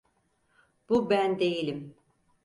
Bu ben değilim!